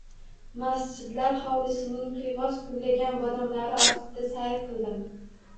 Masjidlar hovlisining qiyg‘os gullagan bodomlari ostida sayr qildim.